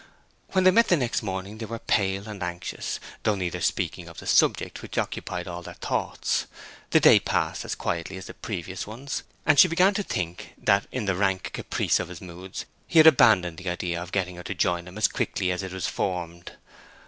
When they met the next morning they were pale and anxious, though neither speaking of the subject which occupied all their thoughts. The day passed as quietly as the previous ones, and she began to think that in the rank caprice of his moods he had abandoned the idea of getting her to join him as quickly as it was formed.